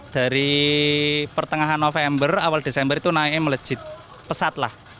dari pertengahan november awal desember itu naiknya melejit pesat lah